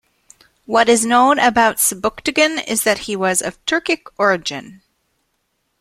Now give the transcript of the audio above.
What is known about Sebuktigin is that he was of Turkic origin.